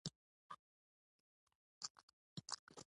دوی باید د پیل لپاره له دې لېوالتیا ګټه واخلي